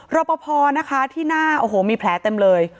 รอปภนะคะที่หน้าโอ้โหมีแผลเต็มเลย